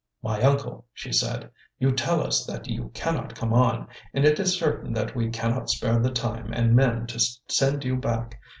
"My uncle," she said, "you tell us that you cannot come on, and it is certain that we cannot spare the time and men to send you back.